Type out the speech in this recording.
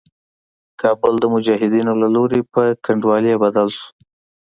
کابل د مجاهدينو له لوري په کنډوالي بدل شو.